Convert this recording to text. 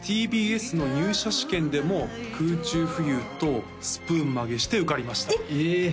私ＴＢＳの入社試験でも空中浮遊とスプーン曲げして受かりましたえっ？